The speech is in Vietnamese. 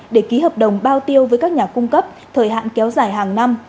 để ký hợp đồng bao tiêu với các nhà cung cấp thời hạn kéo dài hàng năm